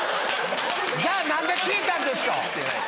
じゃあ何で聞いたんですか！